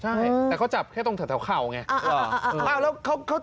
ใช่แต่เขาจับแค่ตรงแถวเข่าไง